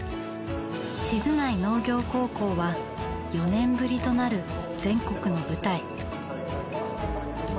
静内農業高校は４年ぶりとなる全国の舞台。